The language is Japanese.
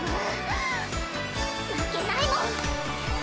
負けないもん！！